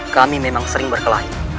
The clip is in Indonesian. kami memang sering berkelahi